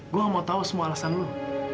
gue gak mau tau semua alasan lo